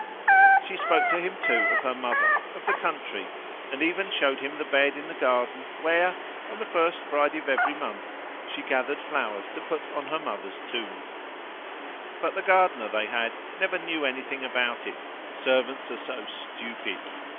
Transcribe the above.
She spoke to him, too, of her mother, of the country, and even showed him the bed in the garden where, on the first Friday of every month, she gathered flowers to put on her mother's tomb. But the gardener they had never knew anything about it; servants are so stupid!